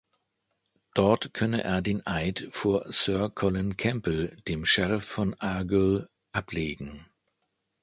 Dort könne er den Eid vor Sir Colin Campbell, dem Sheriff von Argyll, ablegen.